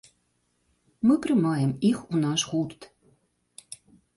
Мы прымаем іх у наш гурт.